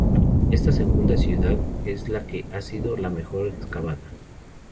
Esta segunda ciudad es la que ha sido la mejor excavada.